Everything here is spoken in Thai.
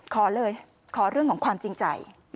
ขอเลยขอเรื่องของความจริงใจ